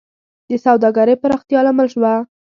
د سوداګرۍ د پراختیا لامل شوه